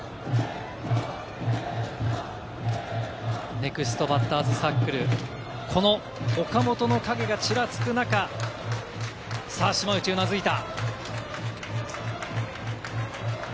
ネクストバッターズサークル、この岡本の影がちらつく中、島内、うなずいた。